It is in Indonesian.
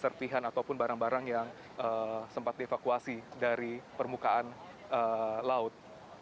serpihan ataupun barang barang yang sempat dievakuasi dari permukaan laut